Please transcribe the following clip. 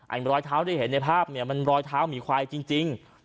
อันรอยเท้าได้เห็นในภาพเนี้ยมันรอยเท้ามีควายจริงจริง